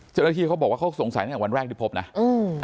เจ้าหน้าที่เขาบอกว่าเขาสงสัยตั้งแต่วันแรกที่พบนะอืม